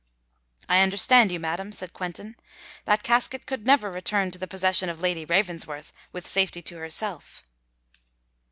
"I understand you, madam," said Quentin. "That casket could never return to the possession of Lady Ravensworth, with safety to herself."